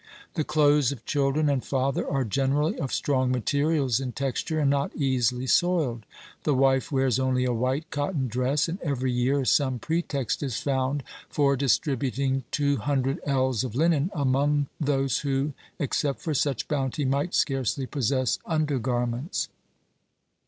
The clothes of children and father are generally of strong materials in texture and not easily soiled. The wife wears only a white cotton dress, and every year some pretext is found for distributing 200 ells of linen among those who, except for such bounty, might scarcely possess under garments.